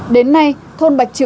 đến nay thôn bạch chữ